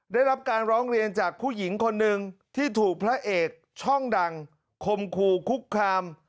ได้รับการร้องเรียนจากผู้หญิงคนหนึ่งที่ถูกพระเอกช่องดังคมคู่คุกคาม